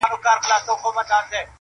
ما یې د جلال او د جمال نښي لیدلي دي,